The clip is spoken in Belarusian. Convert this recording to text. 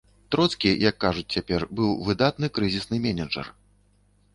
Троцкі, як кажуць цяпер, быў выдатны крызісны менеджар.